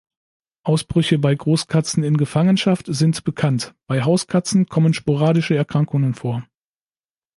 Ausbrüche bei Großkatzen in Gefangenschaft sind bekannt, bei Hauskatzen kommen sporadische Erkrankungen vor.